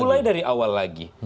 mulai dari awal lagi